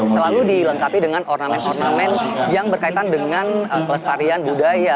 selalu dilengkapi dengan ornamen ornamen yang berkaitan dengan kelestarian budaya